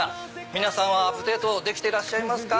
皆さんはアップデートできていらっしゃいますか？